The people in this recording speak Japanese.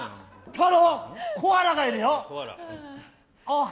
太郎、コアラがいるよ！